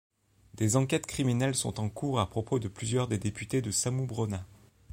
Des enquêtes criminelles sont en cours à propos de plusieurs des députés de Samoobrona.